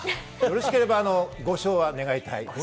よろしければご唱和を願いたい。